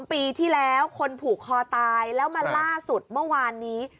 ปีที่แล้วคนผูกคอตายแล้วมาล่าสุดเมื่อวานนี้